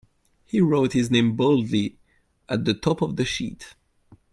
He wrote his name boldly at the top of the sheet.